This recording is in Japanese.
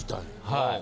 はい。